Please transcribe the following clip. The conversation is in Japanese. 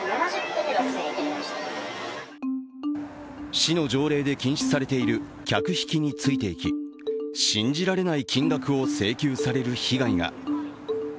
市の条例で禁止されている客引きについて行き信じられない金額を請求される被害が。